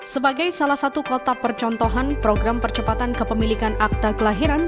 sebagai salah satu kota percontohan program percepatan kepemilikan akta kelahiran